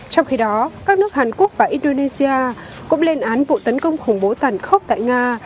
trong khi đó các nước hàn quốc và indonesia cũng lên án vụ tấn công khủng bố tàn khốc tại nga